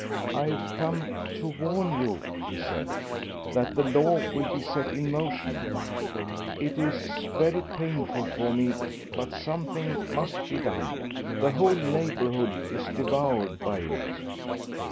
"I've come to warn you," he said, "that the law will be set in motion.... It is very painful for me, but something must be done. The whole neighbourhood is devoured by it."